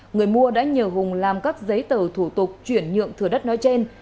người mua đã nhờ hùng làm các giấy tờ thủ tục chuyển nhượng thừa đất nói trên